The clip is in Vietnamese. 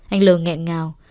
anh l d l nghẹn ngào